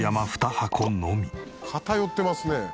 「偏ってますね」